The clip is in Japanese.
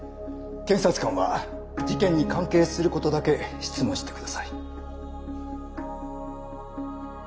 検察官は事件に関係することだけ質問してください。